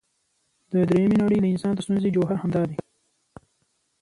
د درېمې نړۍ د انسان د ستونزې جوهر همدا دی.